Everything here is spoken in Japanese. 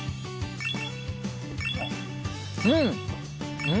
うん！